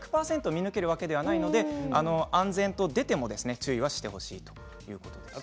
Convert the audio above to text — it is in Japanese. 見抜けるわけではないので安全と出ても注意はしてほしいということでした。